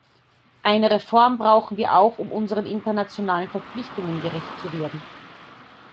Eine Reform brauchen wir auch, um unseren internationalen Verpflichtungen gerecht zu werden.